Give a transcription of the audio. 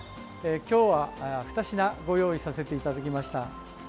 今日は２品ご用意させていただきました。